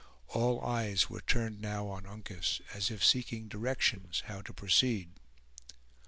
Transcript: All eyes were turned now on Uncas, as if seeking directions how to proceed.